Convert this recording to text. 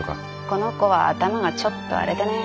この子は頭がちょっとあれでね。